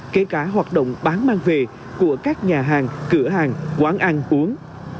kể cả hoạt động bán mang về của các nhà hàng cửa hàng quán ăn uống